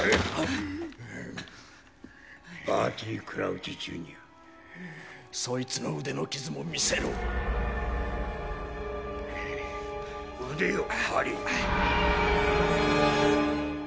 バーティ・クラウチ・ジュニアそいつの腕の傷も見せろ腕をハリー